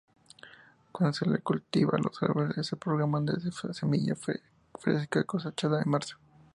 Cuando se le cultiva, los árboles se propagan desde semilla fresca cosechada en marzo.